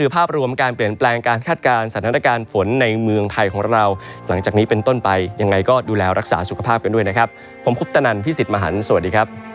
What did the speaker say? โปรดติดตามตอนต่อไป